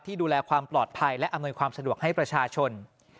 ดูแลความปลอดภัยและอำนวยความสะดวกให้ประชาชน